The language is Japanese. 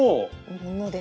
ものですか？